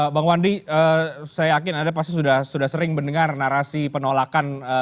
bang wandi saya yakin anda pasti sudah sering mendengar narasi penolakan